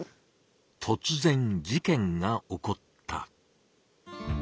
とつ然事件が起こった。